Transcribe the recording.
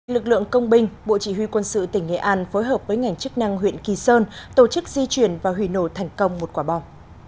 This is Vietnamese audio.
lực lượng công binh bộ chỉ huy quân sự tỉnh nghệ an phối hợp với ngành chức năng huyện kỳ sơn tổ chức di chuyển và hủy nổ thành công một quả bom